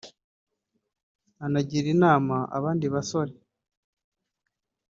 anagira inama abandi basore